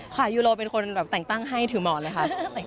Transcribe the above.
ยูโรเป็นคนแบบแต่งตั้งให้ถือหมอนเลยค่ะ